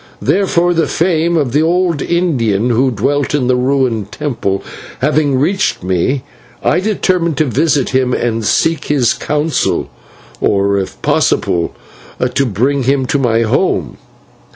Therefore the fame of the old Indian who dwelt in the ruined temple having reached me, I determined to visit him and seek his counsel, or, if possible, to bring him to my home.